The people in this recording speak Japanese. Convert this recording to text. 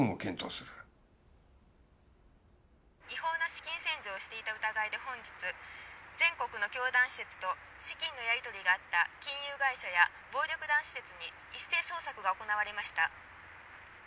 「違法な資金洗浄をしていた疑いで本日全国の教団施設と資金のやり取りがあった金融会社や暴力団施設に一斉捜索が行われました」